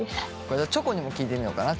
じゃあチョコにも聞いてみようかな。